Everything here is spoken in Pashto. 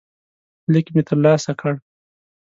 لیک مې ترلاسه کړ.